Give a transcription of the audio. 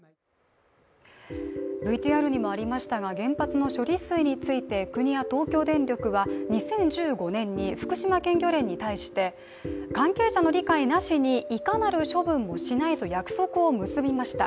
ＶＴＲにもありましたが原発の処理水について国や東京電力は２０１５年に福島県漁連に対して関係者の理解なしにいかなる処分もしないと約束を結びました。